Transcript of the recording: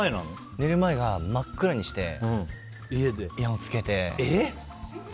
寝る前、真っ暗にしてイヤホンつけて。